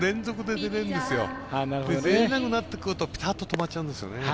出れなくなるとぴたっと止まっちゃうんですよね。